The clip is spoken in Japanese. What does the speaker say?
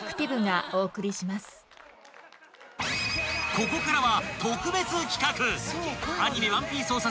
［ここからは］